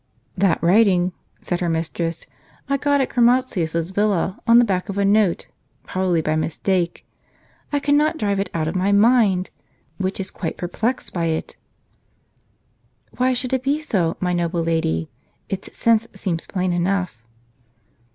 "That writing," said her mistress, "I got at Chromatius's villa, on the back of a note, probably by mistake. I cannot drive it out of my mind, Avhich is quite perplexed by it." "Why should it be so, my noble lady? Its sense seems plain enough."